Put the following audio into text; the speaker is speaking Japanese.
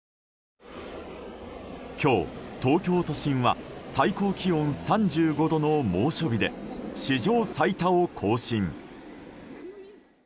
今日、東京都心は最高気温３５度の猛暑日で史上最多を更新。